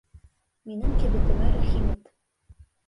Минең кибетемә рәхим ит!